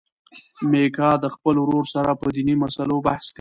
میکا د خپل ورور سره په دیني مسلو بحث کوي.